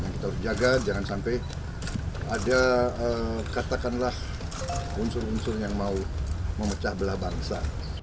kita harus jaga jangan sampai ada katakanlah unsur unsur yang mau memecah belah bangsa